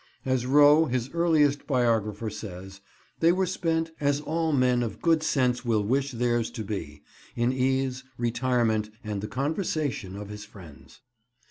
As Rowe, his earliest biographer says, they were spent "as all men of good sense will wish theirs to be; in ease, retirement, and the conversation of his friends."